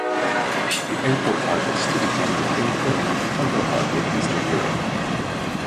The airport targets to become an important cargo hub in Eastern Europe.